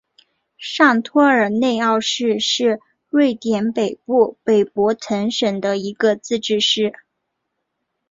上托尔内奥市是瑞典北部北博滕省的一个自治市。